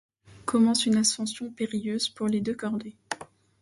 Commence une ascension périlleuse pour les deux cordées.